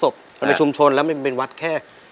เป็นชุมชนและไม่เป็นวัดแค่